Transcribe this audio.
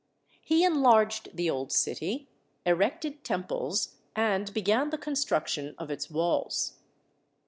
He enlarged the old city, erected temples, and began the construction of its walls.